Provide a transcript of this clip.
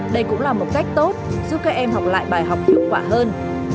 đây cũng là một cách tốt giúp các em học lại bài học hiệu quả hơn